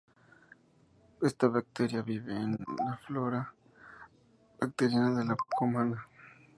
Esta bacteria vive en la flora bacteriana de la boca humana.